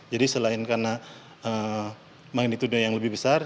jadi selain karena magnitudenya yang lebih besar